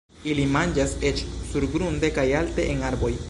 Ili manĝas eĉ surgrunde kaj alte en arboj.